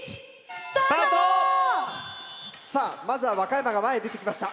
さあまずは和歌山が前へ出てきました。